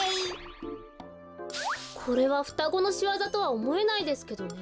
これはふたごのしわざとはおもえないですけどね。